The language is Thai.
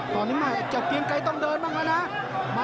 ตอนนี้มาจากกิ๊กไก่ต้องเดินบ้างนะ